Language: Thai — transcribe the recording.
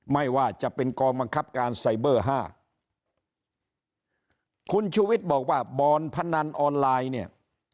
ไม่ว่าจะเป็นกองบังคับการไซเบอร์ห้าคุณชูวิทย์บอกว่าบ่อนพนันออนไลน์เนี่ย